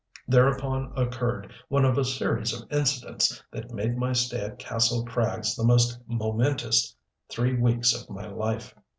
Thereupon occurred one of a series of incidents that made my stay at Kastle Krags the most momentous three weeks of my life.